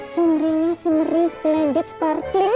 sumringa simmering splendid sparkling